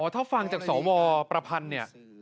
ถ้าฟังจากสวประพันธ์เนี่ย